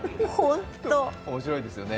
面白いですよね。